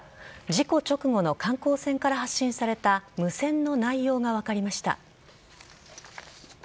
事故直後の観光船から発信された無線の内容が分かりました。